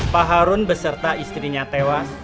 pak harun beserta istrinya tewas